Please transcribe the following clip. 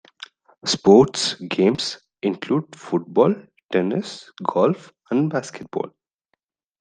Sports games include Football, Tennis, Golf and Basketball.